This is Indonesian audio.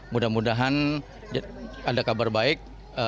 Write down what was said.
mudah mudahan ada kabar baik